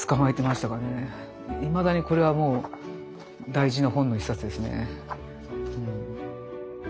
いまだにこれはもう大事な本の一冊ですね。